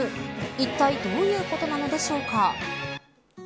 いったいどういうことなのでしょうか。